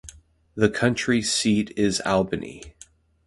The county seat is Albany.